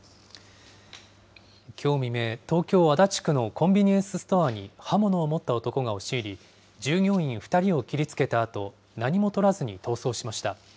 きょう未明、東京・足立区のコンビニエンスストアに刃物を持った男が押し入り、従業員２人を切りつけたあと、何もとらずに逃走しました。